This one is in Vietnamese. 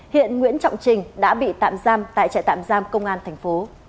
hiện nguyễn trọng trình đã bị tạm giam tại trại tạm giam công an tp